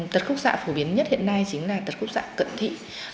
tật khúc xạ phổ biến nhất hiện nay chính là tật khúc xạ cận thị